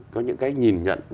có những cái nhìn nhận